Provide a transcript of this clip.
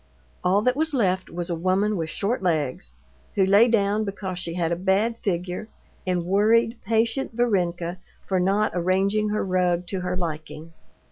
All that was left was a woman with short legs, who lay down because she had a bad figure, and worried patient Varenka for not arranging her rug to her liking.